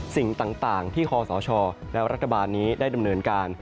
สิ่งต่างที่คอสชและรัฐบาลนี้ได้ดำเนินการ